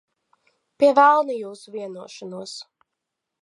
Pie velna jūsu vienošanos.